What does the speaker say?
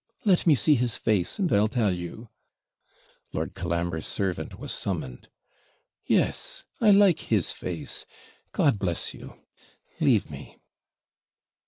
'Let me see his face, and I'll tell you.' Lord Colambre's servant was summoned. 'Yes, I like his face. God bless you! Leave me.'